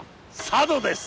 佐渡です。